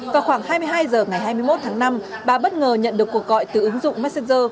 vào khoảng hai mươi hai h ngày hai mươi một tháng năm bà bất ngờ nhận được cuộc gọi từ ứng dụng messenger